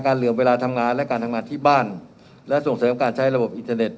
เหลื่อมเวลาทำงานและการทำงานที่บ้านและส่งเสริมการใช้ระบบอินเทอร์เน็ต